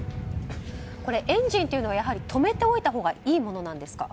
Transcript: これ、エンジンというのは止めておいたほうがいいものなんですか？